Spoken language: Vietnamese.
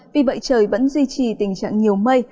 vì vậy trời vẫn duy trì tình trạng nhiều mây